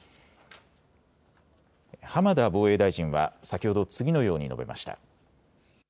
浜田防衛大臣は先ほど次のように述べました。